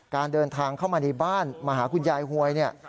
การเดินทางเข้ามาในบ้านมาหาคุณยายหวยเนี่ย